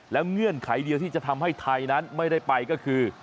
เงื่อนไขเดียวที่จะทำให้ไทยนั้นไม่ได้ไปก็คือ